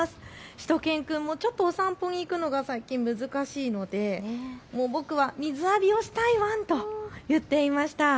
しゅと犬くんもちょっとお散歩に行くのが最近難しいので僕は水浴びをしたいワン！と言っていました。